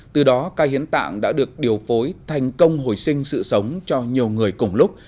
từ đó ca hiến tạng đã được điều phối thành công hồi sinh sự sống cho nhiều người cùng lúc